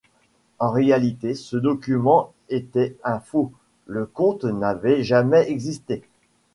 En réalité, ce document était un faux, le compte n'avait jamais existé.